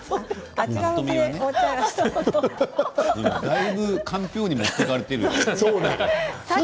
だいぶ、かんぴょうに持っていかれている。